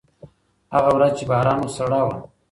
هغه ورځ چې باران و، سړه وه.